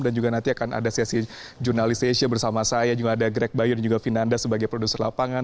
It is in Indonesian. dan juga nanti akan ada sesi jurnalisasi bersama saya juga ada greg bayu dan juga vinanda sebagai produser lapangan